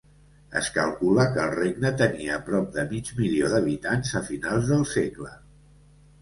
Es calcula que el regne tenia prop de mig milió d'habitants a finals del segle.